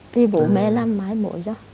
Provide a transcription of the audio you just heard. vì bố mẹ là mãi mỗi